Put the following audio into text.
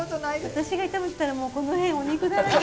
私が炒めてたらもうこの辺お肉だらけに。